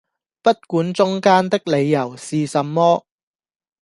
不管中間的理由是什麼！